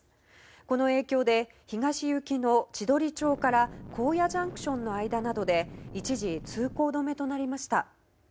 この影響で、東行きの千鳥町から高谷ＪＣＴの間などで一時通行止めとなりました。